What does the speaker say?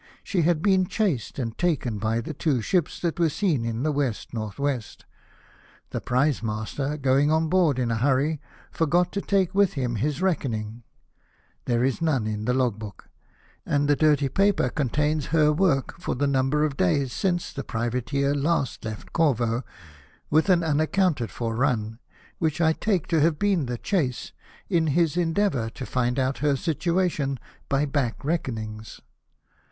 She had been chased and taken by the two ships that were seen in the W.N.W. The prize master, going on board in a hurry, forgot to take with him his reckoning : there is none in the log book ; and the dirty paper contains her work for the number of days since the privateer last left Corvo, with an unaccounted for run, which I take to have been the chase, in his endeavour to find out her situation by back reckonings.